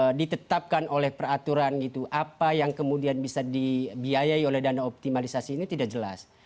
kalau ditetapkan oleh peraturan gitu apa yang kemudian bisa dibiayai oleh dana optimalisasi ini tidak jelas